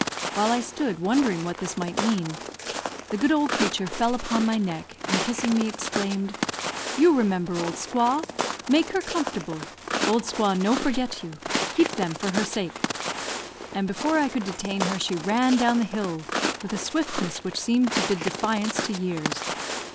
While I stood wondering what this might mean, the good old creature fell upon my neck, and kissing me, exclaimed, "You remember old squaw make her comfortable! Old squaw no forget you. Keep them for her sake," and before I could detain her she ran down the hill with a swiftness which seemed to bid defiance to years.